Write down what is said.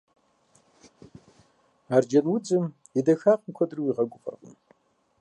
Арджэнудзым и дахагъэми куэдрэ уигъэгуфӀэркъым.